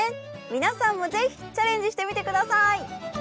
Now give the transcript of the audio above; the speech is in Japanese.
皆さんも是非チャレンジしてみて下さい。